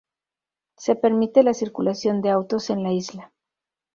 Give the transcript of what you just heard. Se permite la circulación de autos en la isla.